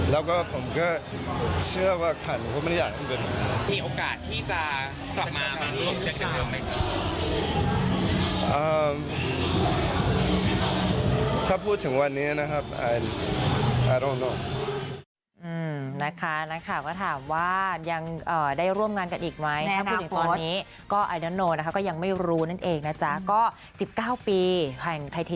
แล้วก็ผมก็เชื่อว่าขันผมไม่ได้อยากให้เป็นแบบนี้